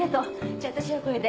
じゃあ私はこれで。